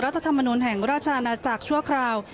ธรรมนุนแห่งราชอาณาจักรชั่วคราว